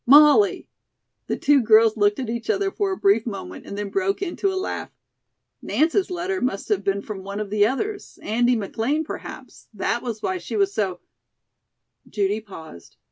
"Molly!" The two girls looked at each other for a brief moment and then broke into a laugh. "Nance's letter must have been from one of the others, Andy McLean, perhaps, that was why she was so " Judy paused.